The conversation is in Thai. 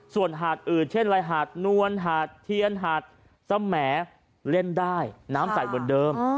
ส่วนหาดอื่นเช่นลายหาดนวลหาดเทียนหาดสแหมเล่นได้น้ำใสเหมือนเดิม